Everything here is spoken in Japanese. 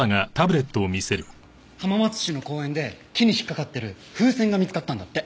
浜松市の公園で木に引っかかってる風船が見つかったんだって。